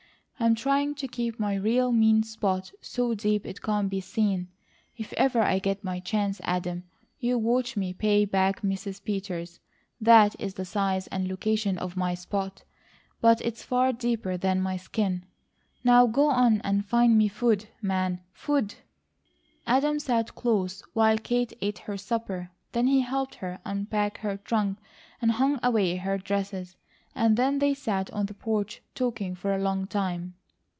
I'm trying to keep my real mean spot so deep it can't be seen. If ever I get my chance, Adam, you watch me pay back Mrs. Peters. THAT is the size and location of my spot; but it's far deeper than my skin. Now go on and find me food, man, food!" Adam sat close while Kate ate her supper, then he helped her unpack her trunk and hang away her dresses, and then they sat on the porch talking for a long time.